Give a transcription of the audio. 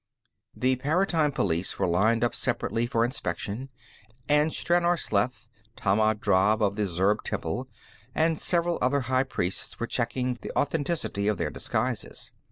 The Paratime Police were lined up separately for inspection, and Stranor Sleth, Tammand Drav of the Zurb temple, and several other high priests were checking the authenticity of their disguises.